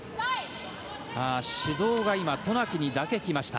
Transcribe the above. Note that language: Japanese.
指導が今渡名喜にだけ来ました。